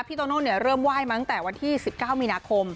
โตโน่เริ่มไหว้มาตั้งแต่วันที่๑๙มีนาคม